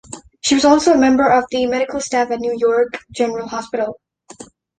She was also a member of the medical staff at North York General Hospital.